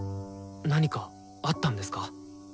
何かあったんですか？